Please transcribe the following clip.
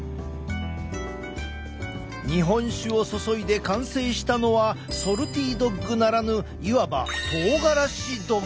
日本酒を注いで完成したのはソルティドッグならぬいわばとうがらしドッグ。